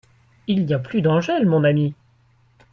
Il n’y a plus d’Angèle, mon ami !